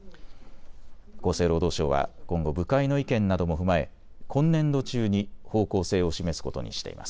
厚生労働省は今後部会の意見なども踏まえ今年度中に方向性を示すことにしています。